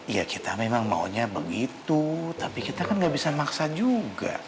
ya kita memang maunya begitu tapi kita kan gak bisa maksa juga